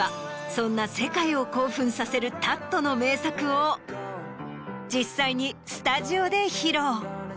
そんな世界を興奮させるＴａｔの名作を実際にスタジオで披露。